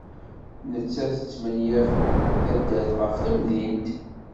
Nettat tesmenyaf taddart ɣef temdint.